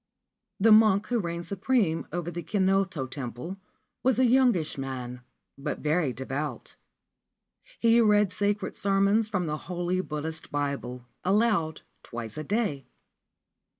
The monk who reigned supreme over the Kinot Temple was a youngish man, but very devout ; he rea sacred sermons from the holy Buddhist Bible, aloud, twic a day.